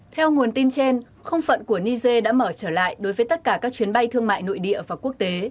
theo nguồn tin trên không phận của niger đã mở trở lại đối với tất cả các chuyến bay thương mại nội địa và quốc tế